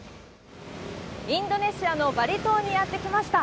インドネシアのバリ島にやって来ました。